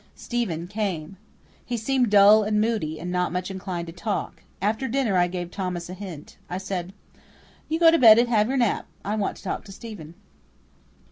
Stephen came. He seemed dull and moody, and not much inclined to talk. After dinner I gave Thomas a hint. I said, "You go to bed and have your nap. I want to talk to Stephen."